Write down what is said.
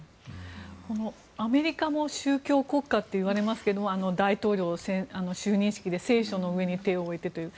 アメリカも宗教国家って言われますけど大統領就任式で聖書の上に手を置いてという。